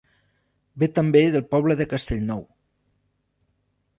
Ve també del poble de Castellnou.